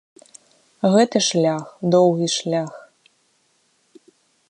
Гэта шлях, доўгі шлях.